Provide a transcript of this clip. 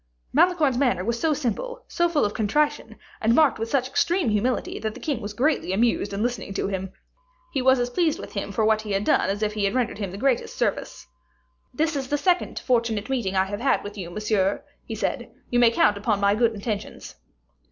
Malicorne's manner was so simple, so full of contrition, and marked with such extreme humility, that the king was greatly amused in listening to him. He was as pleased with him for what he had done as if he had rendered him the greatest service. "This is the second fortunate meeting I have had with you, monsieur," he said; "you may count upon my good intentions."